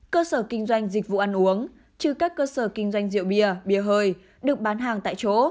cơ sở kinh doanh dịch vụ ăn uống trừ các cơ sở kinh doanh rượu bia bìa hơi được bán hàng tại chỗ